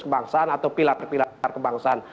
kebangsaan atau pilar pilar kebangsaan